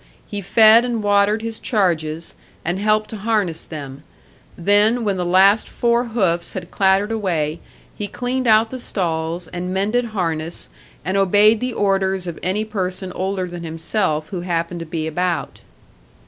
He fed and watered his charges, and helped to harness them. Then, when the last four hoofs had clattered away, he cleaned out the stalls, and mended harness, and obeyed the orders of any person older than himself who happened to be about.